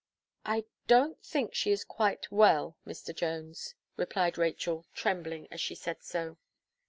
"I don't think she is quite well, Mr. Jones," replied Rachel, trembling as she said so.